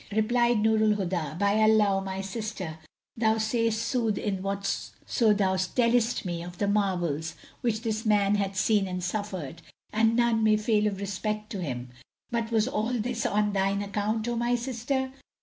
Replied Nur al Huda, "By Allah, O my sister, thou sayest sooth in whatso thou tellest me of the marvels which this man hath seen and suffered; and none may fail of respect to him. But was all this on thine account, O my sister?"